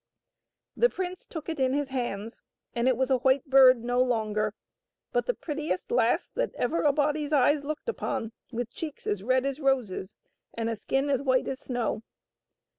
The prince took it in his hands, and it was a white bird no longer, but the prettiest lass that ever a body's eyes looked upon, with cheeks as red as roses and a skin as white as snow.